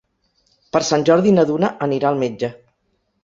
Per Sant Jordi na Duna anirà al metge.